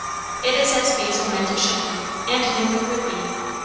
It is as Basil meant it should be, and knew it would be.